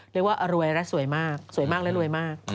เรียกว่ารวยและสวยมากสวยมากและรวยมาก